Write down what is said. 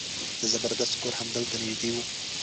د زبردست کور همدلته نژدې و.